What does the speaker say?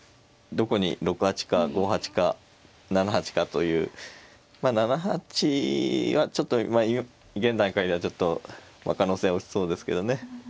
どこに６八か５八か７八かというまあ７八はちょっと現段階ではちょっと可能性は薄そうですけどね。